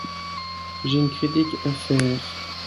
J'ai une critique à faire.